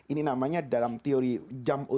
ini namanya dalam teori jamul qasim